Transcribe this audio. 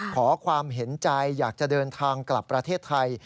ขอความเห็นใจอยากจะเดินทางกลับประเทศไทย